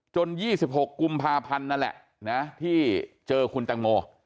จนยี่สิบหกกุมภาพันธ์นั่นแหละนะที่เจอคุณแตงโม